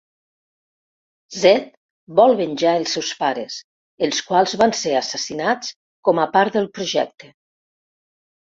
Zed vol venjar els seus pares, els quals van ser assassinats com a part del projecte.